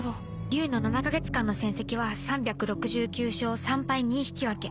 竜の７か月間の戦績は３６９勝３敗２引き分け。